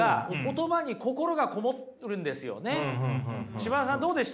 嶋田さんどうでした？